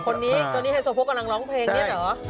ตอนนี้ไฮโซพกกำลังร้องเพลงเนี่ยเหรอ